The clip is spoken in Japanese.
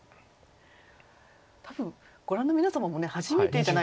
多分ご覧の皆様も初めてじゃないでしょうか